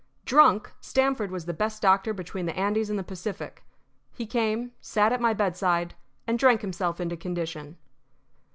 Drunk, Stamford was the best doctor between the Andes and the Pacific. He came, sat at my bedside, and drank himself into condition.